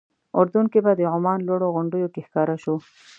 اردن کې به د عمان لوړو غونډیو کې ښکاره شو.